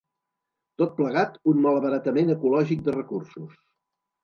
Tot plegat un malbaratament ecològic de recursos.